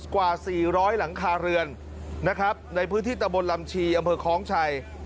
กว่า๔๐๐หลังคาเรือนนะครับในพื้นที่ตะบนลำชีอำเภอคล้องชัย